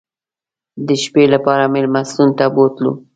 د شپې لپاره مېلمستون ته بوتلو.